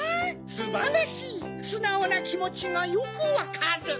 すばらしいすなおなきもちがよくわかる。